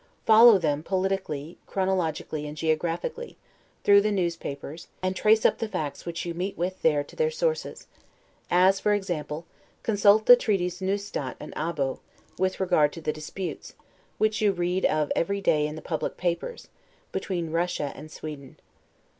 Follow them politically, chronologically, and geographically, through the newspapers, and trace up the facts which you meet with there to their sources: as, for example, consult the treaties Neustadt and Abo, with regard to the disputes, which you read of every day in the public papers, between Russia and Sweden.